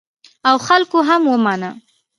او خلکو هم ومانه.